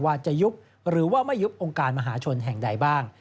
ว่าจะยุบหรือว่าไม่ยุบองค์การมหาชนแห่งใดบ้าง